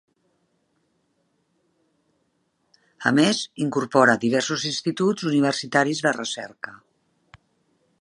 A més, incorpora diversos instituts universitaris de recerca.